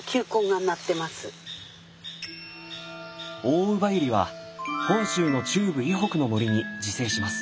オオウバユリは本州の中部以北の森に自生します。